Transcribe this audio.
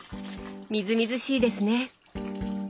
みずみずしいですね！